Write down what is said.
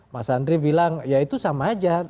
mas andri bilang ya itu sama aja